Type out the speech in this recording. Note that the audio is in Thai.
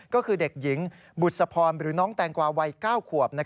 ก็คือเด็กหญิงบุษพรหรือน้องแตงกวาวัย๙ขวบ